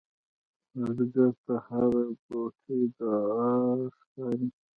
بزګر ته هره بوټۍ دعا ښکاري